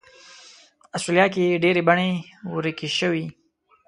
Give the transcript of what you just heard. استرالیا کې یې ډېرې بڼې ورکې شوې.